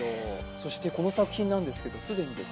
そしてこの作品なんですけど既にですね